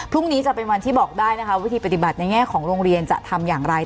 พรุ่งนี้จะเป็นวันที่บอกได้นะคะวิธีปฏิบัติในแง่ของโรงเรียนจะทำอย่างไร